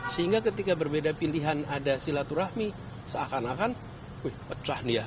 sehingga ketika berbeda pilihan ada silaturahmi seakan akan pecah dia